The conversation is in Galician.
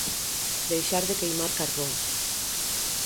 Deixar de queimar carbón.